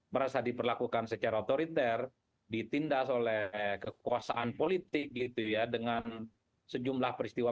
merasa diperlakukan secara otoriter ditindas oleh kekuasaan politik gitu ya dengan sejumlah peristiwa